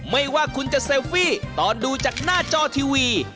ไม่ว่าคุณจะเซลฟี่ตอนดูจากหน้าจอทีวี